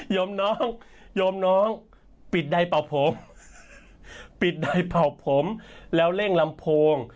โยมน้องโยมน้องปิดใดเป่าผมปิดใดเป่าผมแล้วเร่งลำโพง